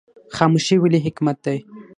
خاموشي ولې حکمت دی؟